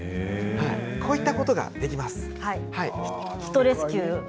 こういったことができます。